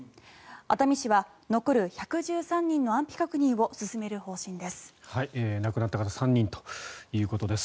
熱海市は残る１１３人の安否確認を進める方針です。